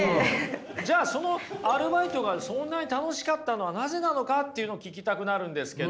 じゃあそのアルバイトがそんなに楽しかったのはなぜなのかっていうのを聞きたくなるんですけど。